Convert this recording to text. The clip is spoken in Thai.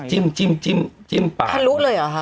จิ้มจิ้มจิ้มจิ้มปากทะลุเลยหรอฮะ